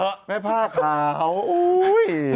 อุ๊ยแม่ผ้าเผาสักทีเหรอ